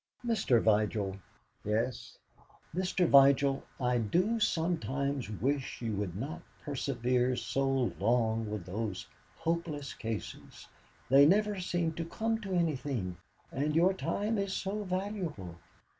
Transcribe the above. Mr. Vigil!" "Yes." "Mr. Vigil, I do sometimes wish you would not persevere so long with those hopeless cases; they never seem to come to anything, and your time is so valuable."